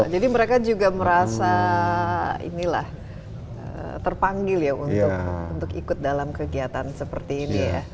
jadi mereka juga merasa terpanggil ya untuk ikut dalam kegiatan seperti ini ya